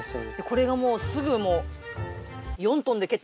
これがすぐもう。